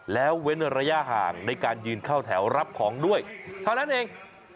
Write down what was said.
แล้วเว้นระยะห่างในการยืนเข้าแถวรับของด้วยเท่านั้นเอง